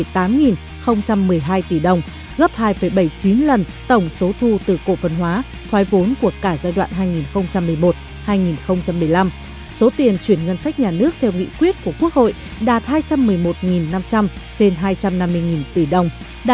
tuy nhiên quá trình cổ phân hóa thoái vốn